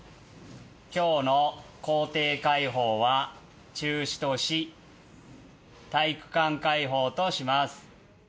きょうの校庭開放は中止とし、体育館開放とします。